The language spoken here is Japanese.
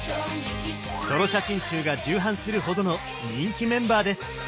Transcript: ソロ写真集が重版するほどの人気メンバーです。